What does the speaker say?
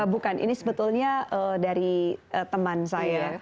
bukan ini sebetulnya dari teman saya